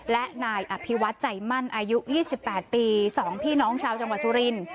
และนายอภิวัติใจมั่นอายุยี่สิบแปดปีสองพี่น้องชาวจังหวัดสุริน